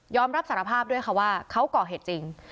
รับสารภาพด้วยค่ะว่าเขาก่อเหตุจริง